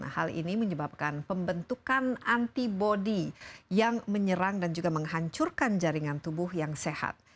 hal ini menyebabkan pembentukan antibody yang menyerang dan juga menghancurkan jaringan tubuh yang sehat